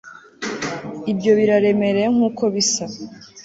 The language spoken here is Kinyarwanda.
ibyo biraremereye nkuko bisa